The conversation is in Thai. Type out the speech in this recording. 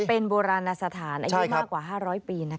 เป็นบัวราณสถานอายุมากกว่า๕๐๐ปีนะคะ